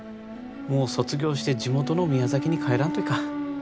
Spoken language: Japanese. もう卒業して地元の宮崎に帰らんといかん。